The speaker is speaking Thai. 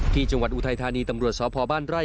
ที่จังหวัดอุทัยธานีตำรวจสพบ้านไร่